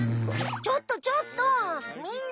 ちょっとちょっとみんな！